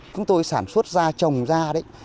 chúng tôi sản xuất da trồng da đấy